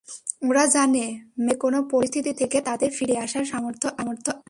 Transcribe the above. ওরা জানে, ম্যাচের যেকোনো পরিস্থিতি থেকে তাদের ফিরে আসার সামর্থ্য আছে।